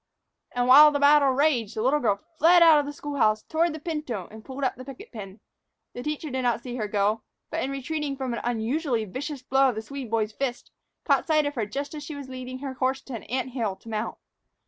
And, while the battle raged, the little girl fled out of the school house toward the pinto and pulled up the picket pin. The teacher did not see her go, but, in retreating from an unusually vicious blow of the Swede boy's fist, caught sight of her just as she was leading her horse to an ant hill to mount.